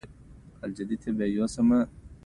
راځه زه، ته او خدای.